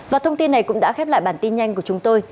và thông tin này cũng đã khép lại bản tin nhanh của chúng tôi